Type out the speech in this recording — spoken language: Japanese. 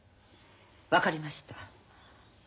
分かりました。